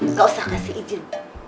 nggak usah kasih izin